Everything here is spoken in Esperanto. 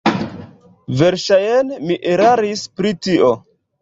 Verŝajne mi eraris pri tio.